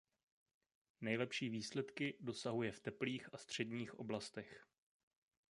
Nejlepší výsledky dosahuje v teplých a středních oblastech.